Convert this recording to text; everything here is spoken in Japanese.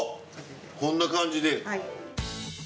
こんな感じで。